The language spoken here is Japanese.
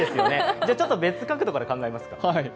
ちょっと別角度から考えますか。